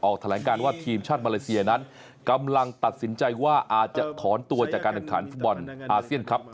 แถลงการว่าทีมชาติมาเลเซียนั้นกำลังตัดสินใจว่าอาจจะถอนตัวจากการแข่งขันฟุตบอลอาเซียนครับ